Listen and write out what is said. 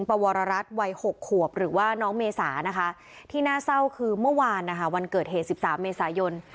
วรรัฐวัย๖ขวบหรือว่าน้องเมษานะคะที่น่าเศร้าคือเมื่อวานนะคะวันเกิดเหตุ๑๓เมษายน